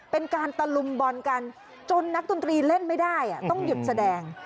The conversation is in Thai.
เป็นการตะลุมบอลกันจนนักดนตรีเล่นไม่ได้ต้องหยุดแสดง